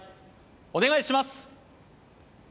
お願いします